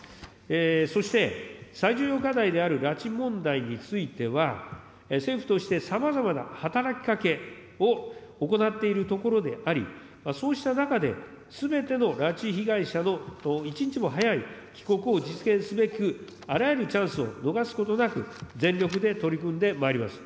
そして、最重要課題である拉致問題については、政府としてさまざまな働きかけを行っているところであり、そうした中で、すべての拉致被害者の一日も早い帰国を実現すべく、あらゆるチャンスを逃すことなく、全力で取り組んでまいります。